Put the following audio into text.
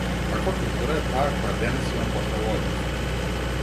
Каква култура е таа која денес има потреба од нив?